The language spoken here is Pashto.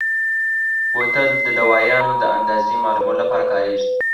بوتل د دوایانو د اندازې معلومولو لپاره کارېږي.